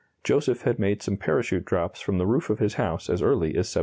Joseph had made some parachute drops from the roof of his house as early as 1771.